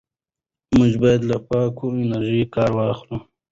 موږ باید له پاکې انرژۍ کار واخلو.